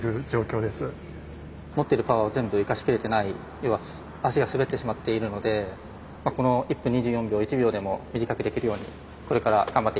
持ってるパワーを全部生かしきれてない要は脚が滑ってしまっているのでこの１分２４秒を１秒でも短くできるようにこれから頑張っていきたいと思います。